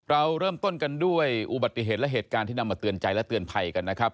เราเริ่มต้นกันด้วยอุบัติเหตุและเหตุการณ์ที่นำมาเตือนใจและเตือนภัยกันนะครับ